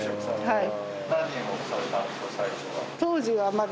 はい。